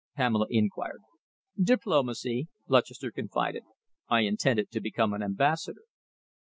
Pamela inquired. "Diplomacy," Lutchester confided. "I intended to become an ambassador."